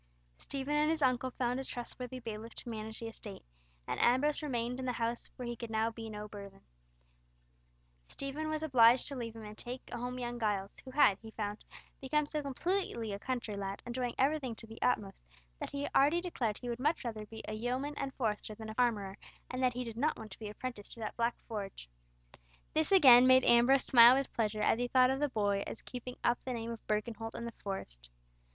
Stephen and his uncle found a trustworthy bailiff to manage the estate, and Ambrose remained in the house where he could now be no burthen. Stephen was obliged to leave him and take home young Giles, who had, he found, become so completely a country lad, enjoying everything to the utmost, that he already declared that he would much rather be a yeoman and forester than an armourer, and that he did not want to be apprenticed to that black forge. This again made Ambrose smile with pleasure as he thought of the boy as keeping up the name of Birkenholt in the Forest.